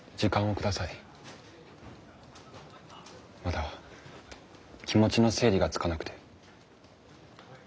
まだ気持ちの整理がつかなくて。